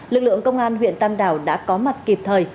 lực lượng công an huyện tam đảo đã có mặt kịp thời